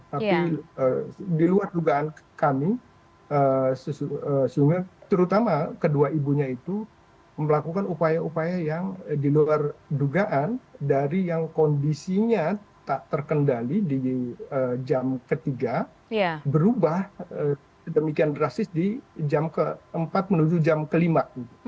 tapi di luar dugaan kami terutama kedua ibunya itu melakukan upaya upaya yang di luar dugaan dari yang kondisinya tak terkendali di jam ketiga berubah demikian drastis di jam keempat menuju jam kelima